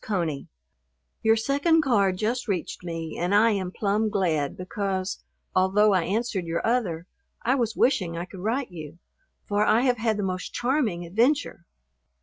CONEY, Your second card just reached me and I am plumb glad because, although I answered your other, I was wishing I could write you, for I have had the most charming adventure.